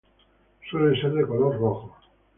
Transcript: Suele ser de color rojo.